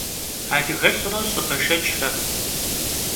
Adıgelh're lh'ı beşşeçre.